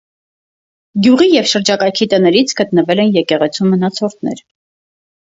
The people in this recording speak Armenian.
Գյուղի և շրջակայքի տներից գտնվել են եկեղեցու մնացորդներ։